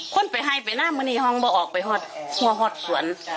คนไปไห้ไปน้ำวันนี้ห้องว่าออกไปหัวหัดสวน